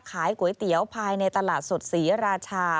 ขายก๋วยเตี๋ยวภายในตลาดสดศรีราชา